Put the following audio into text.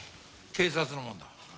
警察のもんだ。